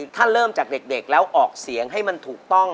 ถ้าเริ่มจากเด็กแล้วออกเสียงให้มันถูกต้อง